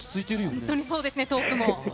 本当にそうですね、トークも。